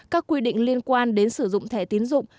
các quy định liên quan đến sử dụng thẻ tiến dụng